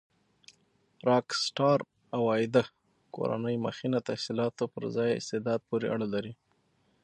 راک سټار عوایده کورنۍ مخینه تحصيلاتو پر ځای استعداد پورې اړه لري.